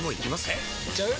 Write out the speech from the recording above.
えいっちゃう？